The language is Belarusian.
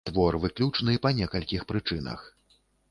Твор выключны па некалькіх прычынах.